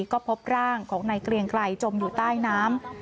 ก็พบร่างของนายเกรียงไกลจมอยู่ใต้น้ำ